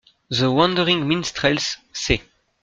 The Wandering Minstrels, c.